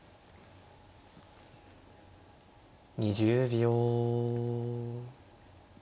２０秒。